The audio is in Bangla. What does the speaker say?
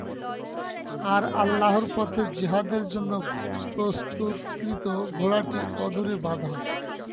আর আল্লাহর পথে জিহাদের জন্য প্রস্তুতকৃত ঘোড়াটি অদূরে বাঁধা।